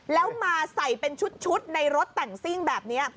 แล้วมาใส่เป็นชุดในรถแต่งซิ่งแบบนี้